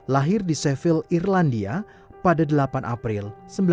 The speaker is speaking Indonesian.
lahir di seville irlandia pada delapan april seribu sembilan ratus empat puluh tiga